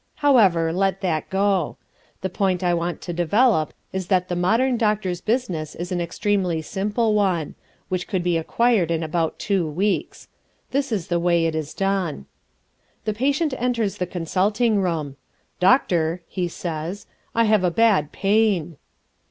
However, let that go. The point I want to develop is that the modern doctor's business is an extremely simple one, which could be acquired in about two weeks. This is the way it is done. The patient enters the consulting room. "Doctor," he says, "I have a bad pain."